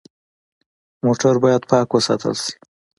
موټر باید پاک وساتل شي.